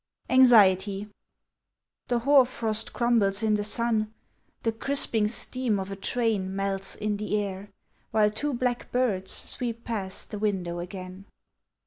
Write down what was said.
ANXIETY THE hoar frost crumbles in the sun, The crisping steam of a train Melts in the air, while two black birds Sweep past the window again.